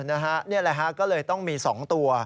นี่แหละฮะก็เลยต้องมี๒ตัว